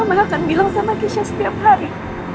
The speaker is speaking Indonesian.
mama akan bilang sama kesya setiap hari